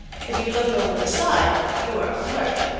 If you look over the side, you are a flirt.